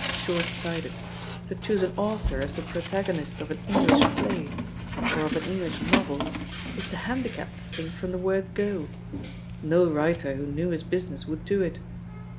Short sighted I To choose an author as the protagonist of an English play — or of an English novel — ^is to handicap the thing from the word 'go'; no writer who knew his business would do it.